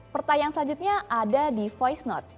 pertanyaan selanjutnya ada di voice note